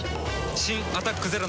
新「アタックＺＥＲＯ」